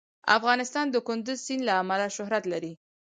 افغانستان د کندز سیند له امله شهرت لري.